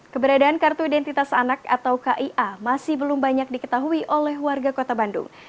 keberadaan kartu identitas anak atau kia masih belum banyak diketahui oleh warga kota bandung